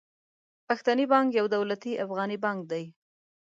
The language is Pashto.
پښتني بانک يو دولتي افغاني بانک دي.